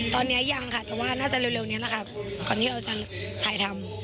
ตอนนี้ยังค่ะแต่ว่าน่าจะเร็วนี้แหละค่ะก่อนที่เราจะถ่ายทำ